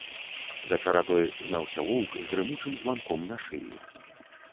За чарадой гнаўся воўк з грымучым званком на шыі.